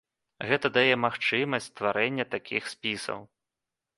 Гэта дае магчымасць стварэння такіх спісаў.